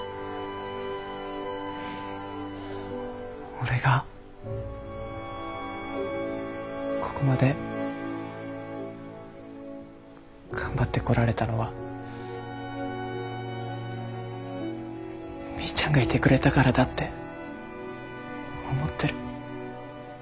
俺がこごまで頑張ってこられたのはみーちゃんがいてくれたからだって思ってる。